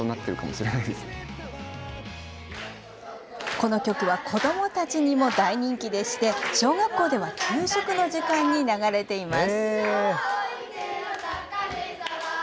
この曲は子どもたちにも大人気でして小学校では給食の時間に流れています。